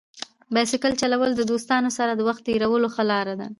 بایسکل چلول د دوستانو سره د وخت تېرولو ښه لار ده.